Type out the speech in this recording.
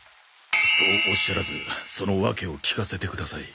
そうおっしゃらずその訳を聞かせてください。